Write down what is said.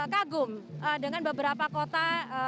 kagum dengan beberapa kota